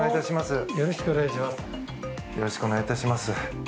よろしくお願いします。